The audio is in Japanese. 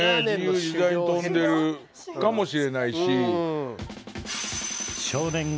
自由自在に飛んでるかもしれないし。